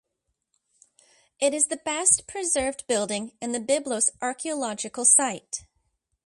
It is the best preserved building in the Byblos archaeological site.